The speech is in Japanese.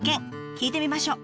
聞いてみましょう。